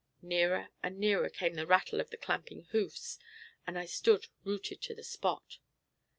Nearer and nearer came the rattle of the clamping hoofs, and I stood rooted to the spot!